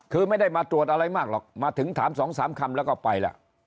คือไม่ได้มาตรวจอะไรมากหรอกมาถึงถามสองสามคำแล้วก็ไปล่ะ